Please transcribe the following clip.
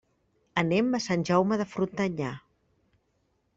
Anem a Sant Jaume de Frontanyà.